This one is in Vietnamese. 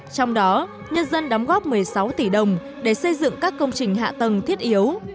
trong đó nhân dân đóng góp một mươi sáu tỷ đồng để xây dựng các công trình hạ tầng thiết yếu